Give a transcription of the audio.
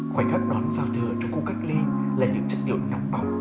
khoảnh khắc đón giao thừa trong khu cách ly là những chất điệu nặng bóng